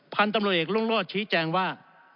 พันธุ์ตำรวจเอกรุ่งโรธชี้แจงว่า